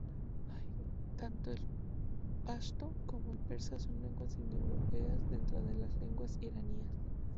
Tanto el pashto como el persa son lenguas indoeuropeas dentro de las lenguas iranias.